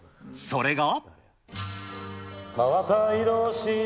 それが。